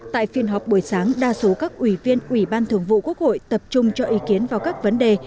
tại phiên họp buổi sáng đa số các ủy viên ủy ban thường vụ quốc hội tập trung cho ý kiến vào các vấn đề